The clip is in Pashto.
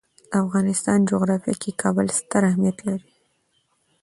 د افغانستان جغرافیه کې کابل ستر اهمیت لري.